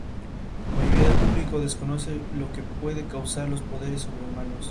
La mayoría del público desconoce lo que puede causar los poderes sobrehumanos.